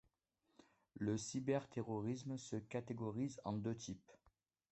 Le cyberterrorisme se catégorise en deux types.